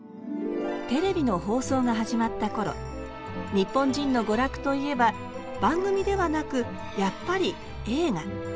テレビの放送が始まった頃日本人の娯楽といえば番組ではなくやっぱり映画。